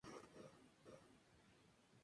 En el mismo año nació su hijo.